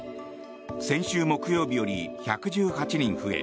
先週木曜日より１１８人増え